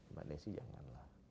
mbak desy jangan lah